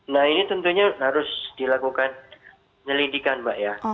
nah ini tentunya harus dilakukan penyelidikan mbak ya